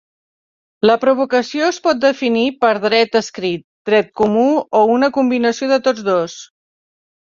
La provocació es pot definir per dret escrit, dret comú o una combinació de tots dos.